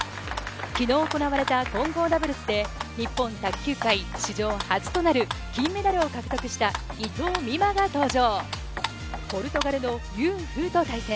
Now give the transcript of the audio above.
きのう行われた混合ダブルスで日本卓球界史上初となる金メダルを獲得した、伊藤美誠が登場。